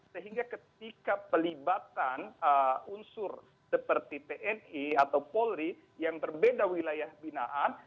sehingga ketika pelibatan unsur seperti tni atau polri yang berbeda wilayah binaan